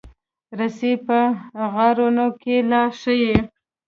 رسۍ په غارونو کې لار ښيي.